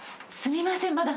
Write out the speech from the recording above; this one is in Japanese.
すみません。